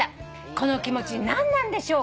この気持ち何なんでしょうか」